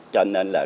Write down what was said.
cho nên là